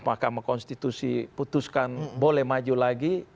mahkamah konstitusi putuskan boleh maju lagi